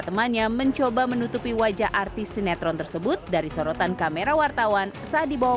temannya mencoba menutupi wajah artis sinetron tersebut dari sorotan kamera wartawan saat dibawa